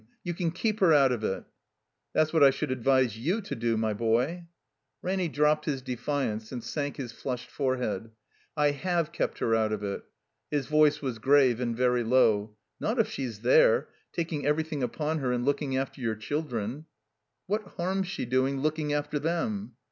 You can keep her out of it. " "That's what I should advise you to do, my boy." Ranny dropi)ed his defiance and sank his flushed forehead. "I have kept her out of it." His voice was grave and very low. "Not if she's there. Taking everjrthing upon her and looking after your children." "What harm's she doing looking after them?"